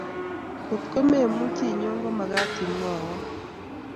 Kot ko memuchi inyo ko makat imwaywa